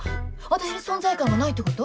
私に存在感がないってこと？